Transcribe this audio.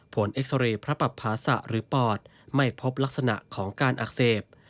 เอ็กซอเรย์พระปับภาษะหรือปอดไม่พบลักษณะของการอักเสบ